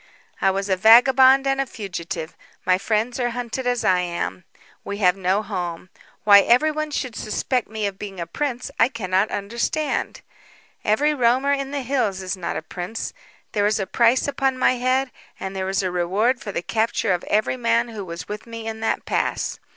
"I was a vagabond and a fugitive. My friends are hunted as I am. We have no home. Why everyone should suspect me of being a prince I cannot understand. Every roamer in the hills is not a prince. There is a price upon my head, and there is a reward for the capture of every man who was with me in the pass.